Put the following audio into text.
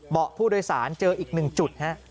เบาะผู้โดยสารเจออีกหนึ่งจุดฮะ